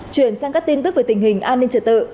chuyển sang các tin tức về tình hình an ninh trật tự